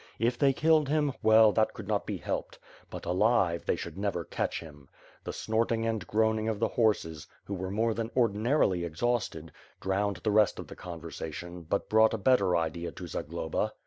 If they killed him, well, that could not be helped; but, alive, they should never catoh him. The snorting and groaning of the horses, who were more than ordinarily exhausted, drowned the rest of the conversation but brought a better idea to Zagloba.